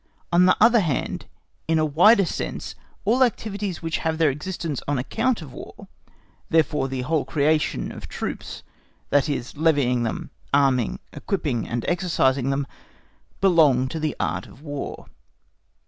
On the other hand, in a wider sense all activities which have their existence on account of War, therefore the whole creation of troops, that is levying them, arming, equipping, and exercising them, belong to the Art of War.